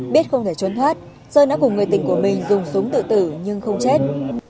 biết không thể trốn thoát sơn đã cùng người tình của mình dùng súng tự tử nhưng không chết